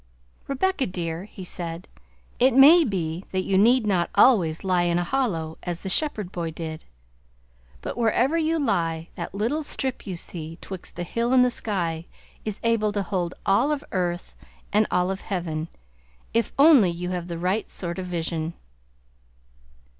"Rebecca dear," he said, "it may be that you need not always lie in a hollow, as the shepherd boy did; but wherever you lie, that little strip you see 'twixt the hill and the sky' is able to hold all of earth and all of heaven, if only you have the right sort of vision."